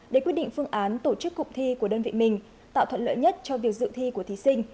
để quyết định phương án tổ chức cụm thi của đơn vị mình tạo thuận lợi nhất cho việc dự thi của thí sinh